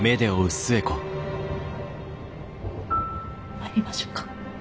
参りましょうか。